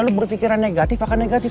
kalau berpikiran negatif akan negatif